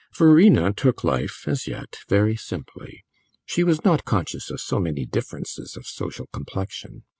Verena took life, as yet, very simply; she was not conscious of so many differences of social complexion.